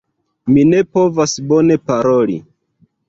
Mi ne povas bone paroli.